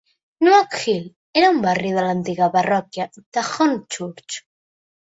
Noak Hill era un barri a l'antiga parròquia de Hornchurch.